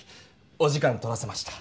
お時間取らせました。